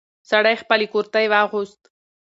سړی خپل کورتۍ واغوست.